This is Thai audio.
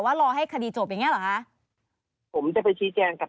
รอให้คดีจบอย่างเงี้เหรอคะผมจะไปชี้แจงกับ